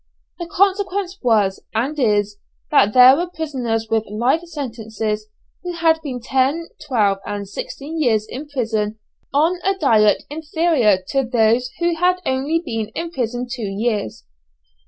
The consequence was, and is, that there were prisoners with life sentences who had been ten, twelve, and sixteen years in prison on a diet inferior to those who had only been in prison two years.